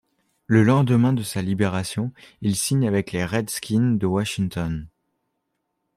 Le lendemain de sa libération, il signe avec les Redskins de Washington.